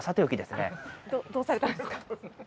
どどうされたんですか？